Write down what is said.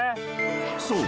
［そう。